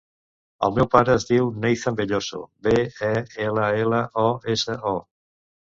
El meu pare es diu Neizan Belloso: be, e, ela, ela, o, essa, o.